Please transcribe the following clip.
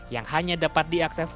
yang hanya dapat diakses